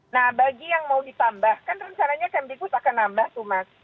nah bagi yang mau ditambah kan rencananya kmpkus akan nambah tuh mas